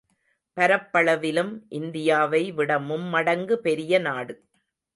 பரப்பளவிலும் இந்தியாவை விட மும்மடங்கு பெரியநாடு.